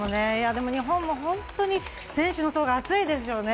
日本も本当に選手の層が厚いですよね。